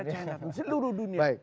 ada chinatown di seluruh dunia